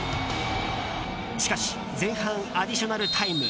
しかし前半アディショナルタイム。